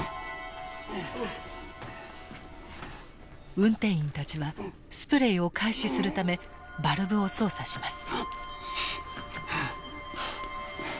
運転員たちはスプレイを開始するためバルブを操作します。